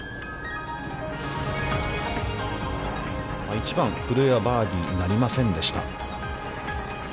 １番、古江はバーディーなりませんでした。